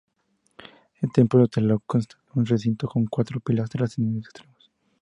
El templo de Tláloc consta de un recinto con cuatro pilastras en los extremos.